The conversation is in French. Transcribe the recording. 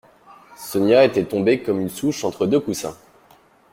Sonia était tombée comme une souche entre deux coussins.